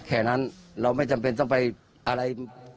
แค่นั้นเราไม่จำเป็นต้องไปอะไร